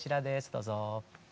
どうぞ。